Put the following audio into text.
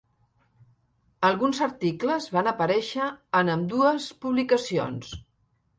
Alguns articles van aparèixer en ambdues publicacions.